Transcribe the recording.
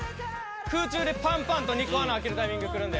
空中でぱんぱんと２個穴開けるタイミングくるんで。